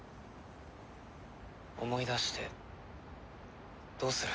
思い出してどうする？